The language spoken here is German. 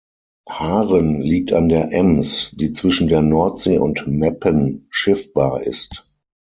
Haren liegt an der Ems, die zwischen der Nordsee und Meppen schiffbar ist.